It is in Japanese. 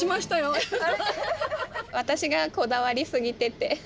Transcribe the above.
私がこだわりすぎてて。